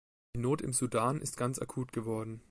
Die Not im Sudan ist ganz akut geworden.